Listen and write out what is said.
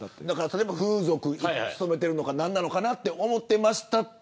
例えば風俗に勤めているのか何なのかなと思っていました。